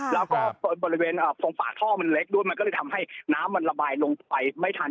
แล้วก็บริเวณตรงฝาท่อมันเล็กด้วยมันก็เลยทำให้น้ำมันระบายลงไปไม่ทัน